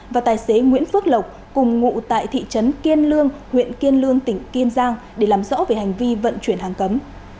và tài xế nguyễn phước lộc cùng ngụ tại thị trấn kiên lương huyện kiên lương tỉnh kiên giang để làm rõ về hành vi vận chuyển hàng cấm